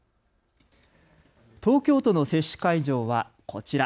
東京都の接種会場は、こちら。